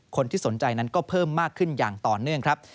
คนที่สนใจนั้นก็เพิ่มมากขึ้นอย่างต่อเนื่องครับ